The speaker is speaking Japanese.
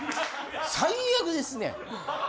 最悪ですね。